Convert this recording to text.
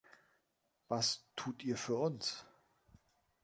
Was tut Ihr für uns?